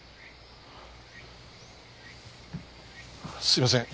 すいません。